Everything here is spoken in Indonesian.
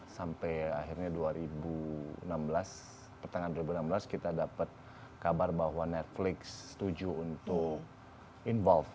sampai akhirnya dua ribu enam belas pertengahan dua ribu enam belas kita dapat kabar bahwa netflix setuju untuk involve